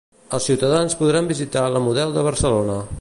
Els ciutadans podran visitar la Model de Barcelona.